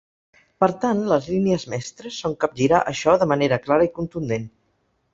Per tant, les línies mestres són capgirar això de manera clara i contundent.